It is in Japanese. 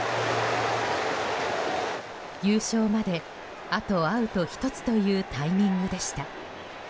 優勝まであとアウト１つというタイミングでした。